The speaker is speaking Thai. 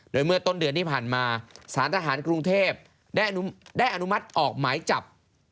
โดยเมื่อต้นเดือนที่ผ่านมาสารทหารกรุงเทพได้อนุมัติออกหมายจับ